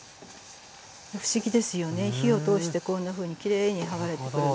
不思議ですよね火を通してこんなふうにきれいにはがれてくるので。